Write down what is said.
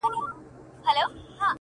بيزو وان هم يو ځاى كښينستى حيران وو!!